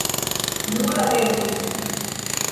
Nur atendis.